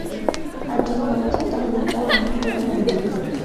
আর যদি মারা যাও, তাহলে ওটা আমিই ব্যবহার করব।